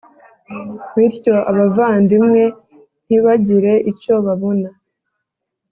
bityo abavandimwe ntibagire icyo babona.